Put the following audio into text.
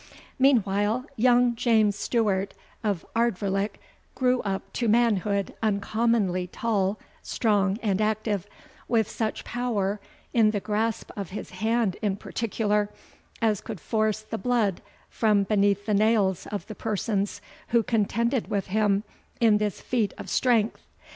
] Meanwhile Young James Stewart of Ardvoirlich grew up to manhood uncommonly tall, strong, and active, with such power in the grasp of his hand in particular, as could force the blood from beneath the nails of the persons who contended with him in this feat of strength.